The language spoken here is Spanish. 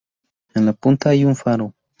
En la punta hay un faro.